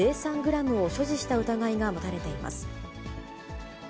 およそ０．０３グラムを所持した疑いが持たれています。